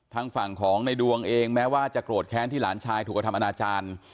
ทางฝั่งของในดวงเองแม้ว่าจะโกรธแค้นที่หลานชายถูกกระทำอนาจารย์